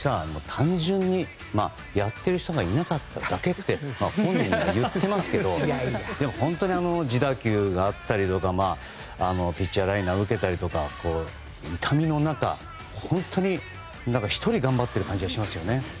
単純にやっている人がいなかっただけって本人も言ってますけどでも、本当に自打球があったりピッチャーライナーを受けたり痛みの中、本当に１人頑張っている感じがしますよね。